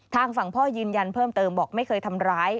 ทางฝั่งพ่อยืนยันเพิ่มเติมบอกไม่เคยทำร้าย